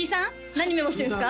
何メモしてるんですか？